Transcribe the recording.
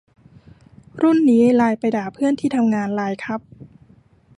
รุ่นนี้ไลน์ไปด่าเพื่อนที่ทำงานไลน์ครับ